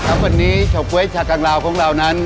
วันนี้เฉาก๊วยชากังลาวของเรานั้น